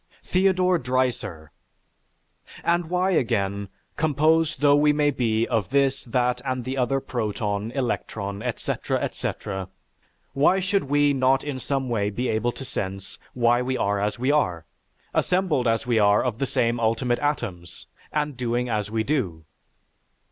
THEODORE DREISER And why again, composed though we may be of this, that, and the other proton, electron, etc., etc., why should we not in some way be able to sense why we are as we are assembled as we are of the same ultimate atoms and doing as we do?